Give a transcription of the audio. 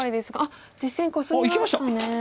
実戦コスみましたね。